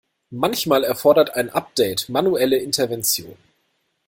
Manchmal erfordert ein Update manuelle Intervention.